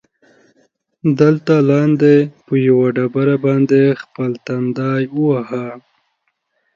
دلته لاندې، په یوه ډبره باندې خپل تندی ووهه.